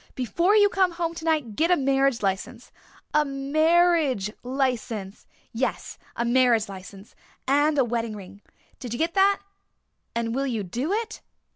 Before you come home tonight get a marriage license a marriage license yes, a marriage license and a wedding ring. Did you get that? And will you do it?